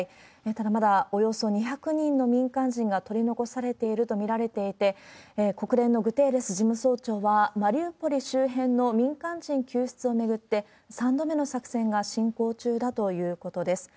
ただ、まだおよそ２００人の民間人が取り残されていると見られていて、国連のグテーレス事務総長は、マリウポリ周辺の民間人救出を巡って、３度目の作戦が進行中だということです。